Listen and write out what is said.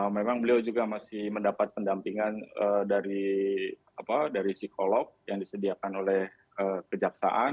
memang beliau juga masih mendapat pendampingan dari psikolog yang disediakan oleh kejaksaan